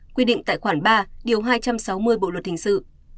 quy định tại khoản ba điều hai trăm sáu mươi bộ luật hình sự